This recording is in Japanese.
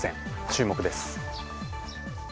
注目です。